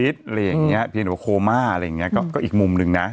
เสียชีวิตหรือก็ครูมา่ก็อีกมุมหนึ่งนะ